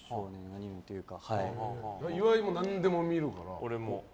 岩井も何でも見るから。